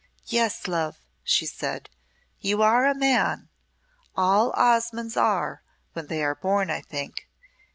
"Yes, love," she said, "you are a Man. All Osmondes are when they are born, I think.